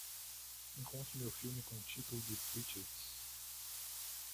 Encontre-me o filme com o título de Twitches